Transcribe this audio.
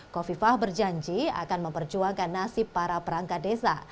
kofifah berjanji akan memperjuangkan nasib para perangkat desa